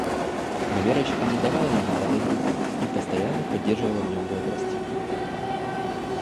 Но Верочка не давала ему падать духом и постоянно поддерживала в нём бодрость...